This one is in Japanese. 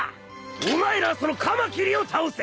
お前らはそのカマキリを倒せ！